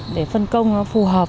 để phân công phù hợp